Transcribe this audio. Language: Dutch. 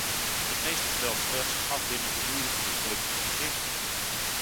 Het meeste geweld speelt zich af binnen de muren van het gelukkige gezin.